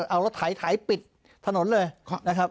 เอารถไถปิดถนนเลยนะครับ